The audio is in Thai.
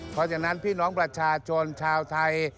เพราะฉะนั้นพี่น้องประชาชนชาวไทย